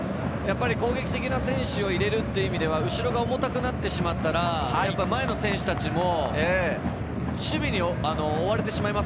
攻撃的な選手を入れるという意味では後ろが重たくなってしまったら、前の選手たちも守備に追われてしまいます。